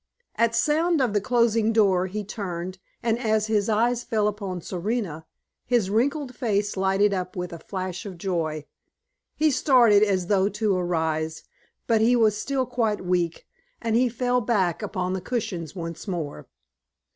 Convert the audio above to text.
At sound of the closing door he turned, and as his eyes fell upon Serena, his wrinkled face lighted up with a flash of joy. He started as though to arise, but he was still quite weak, and he fell back upon the cushions once more.